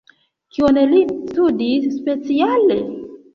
Kion li studis speciale?